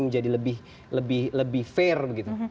sebenarnya yang bisa membuat ini menjadi lebih fair begitu